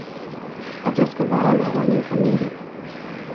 Att jag ska vanära min familj?